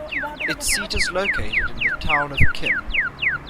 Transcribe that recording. Its seat is located in the town of Kil.